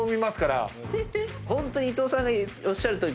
ホントに伊藤さんがおっしゃるとおり。